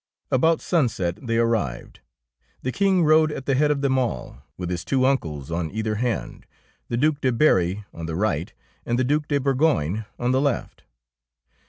About sunset they arrived. The King rode at the head of them all, with his two uncles on either hand, the Due de Berry on the right and the Due de Burgoyne on the left.